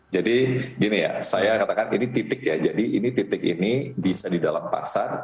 jadi gini ya saya katakan ini titik ya jadi ini titik ini bisa di dalam pasar